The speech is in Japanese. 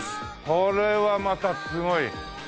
これはまたすごい。